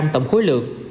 tổng khối lượng